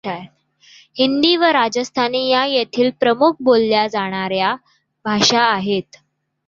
हिंदी व राजस्थानी या येथील प्रमुख बोलल्या जाणार् या भाषा आहेत.